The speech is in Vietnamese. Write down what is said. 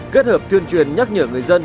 kết hợp thuyền truyền nhắc nhở người dân